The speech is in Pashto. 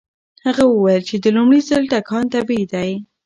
هغه وویل چې د لومړي ځل ټکان طبيعي دی.